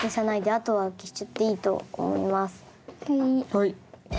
はい。